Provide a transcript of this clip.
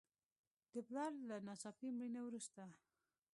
د پلار له ناڅاپي مړینې وروسته.